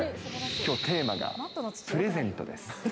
きょうテーマがプレゼントです。